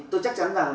tôi chắc chắn rằng